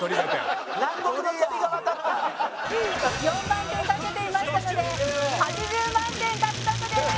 ４万点賭けていましたので８０万点獲得です！